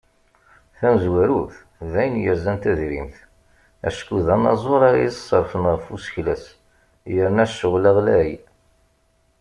Tamezwarut, d ayen yerzan tadrimt, acku d anaẓur ara iseṛfen ɣef usekles, yerna ccɣel-a ɣlay.